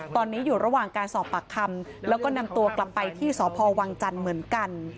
ตอนนี้อยู่ระหว่างการสอบปากคำแล้วก็นำตัวกลับไปที่สพวังจันทร์เหมือนกัน